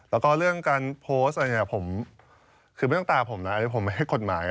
แล้วก็เรื่องการโพสต์อะไรเนี่ยผมคือไม่ต้องตาผมนะผมไม่ให้กฎหมาย